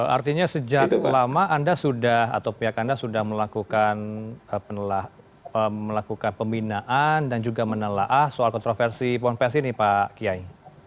artinya sejak lama anda sudah atau pihak anda sudah melakukan pembinaan dan juga menelah soal kontroversi ponpes ini pak kiai